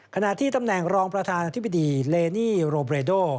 ขณะที่ตำแหน่งรองประธานาธิบดีเลนี่โรเบรโด